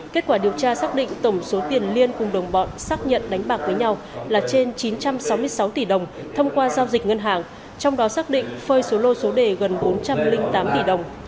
kết quả điều tra xác định tổng số tiền liên cùng đồng bọn xác nhận đánh bạc với nhau là trên chín trăm sáu mươi sáu tỷ đồng thông qua giao dịch ngân hàng trong đó xác định phơi số lô số đề gần bốn trăm linh tám tỷ đồng